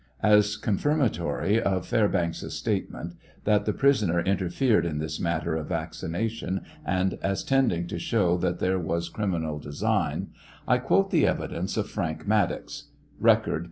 As confirmatory of Fairbanks's statement, that the prisoner interfered in this matter of vaccination, and as tending to show that thei e was criminal design, I quote the evidence of Frank Maddox ; (Record, p.